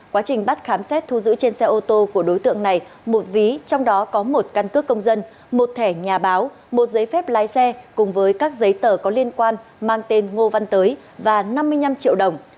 quá trình bắt khám xét thu giữ trên xe ô tô của đối tượng này một ví trong đó có một căn cước công dân một thẻ nhà báo một giấy phép lái xe cùng với các giấy tờ có liên quan mang tên ngô văn tới và năm mươi năm triệu đồng